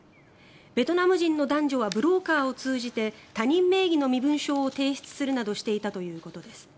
ベトナム人の男女はブローカーを通じて他人名義の身分証などを提出するなどしていたということです。